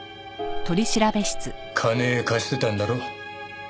金貸してたんだろう？